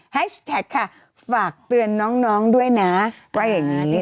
แฮชตาตคลิปค่ะฝากเตือนน้องด้วยนะว่าอย่างนี้นะคะ